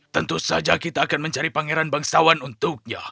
tentu saja kita akan mencari pangeran bangsawan untuknya